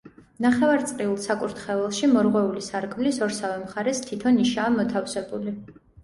ნახევარწრიულ საკურთხეველში, მორღვეული სარკმლის ორსავე მხარეს თითო ნიშაა მოთავსებული.